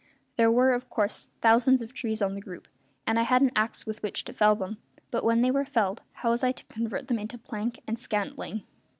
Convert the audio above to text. There were, of course, thousands of trees on the group, and I had an axe with which to fell them; but when they were felled, how was I to convert them into plank and scantling?